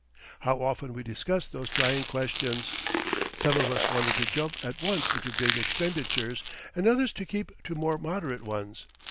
How often we discussed those trying questions! Some of us wanted to jump at once into big expenditures, and others to keep to more moderate ones.